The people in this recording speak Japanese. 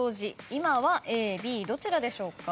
今はＡＢどちらでしょうか？